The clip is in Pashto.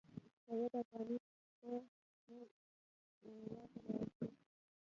سید افغاني په کې دنیا ته راځي.